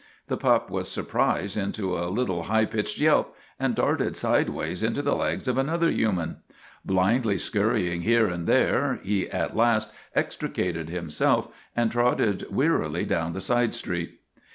The pup was surprised into a little, high pitched yelp, and darted sideways into the legs of another human. Blindly scurrying here and there he at last extricated him self and trotted wearily down the side street.